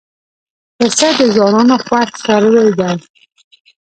پسه د ځوانانو خوښ څاروی دی.